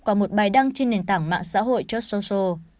qua một bài đăng trên nền tảng mạng xã hội joe social